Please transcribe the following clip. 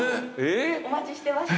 お待ちしてました。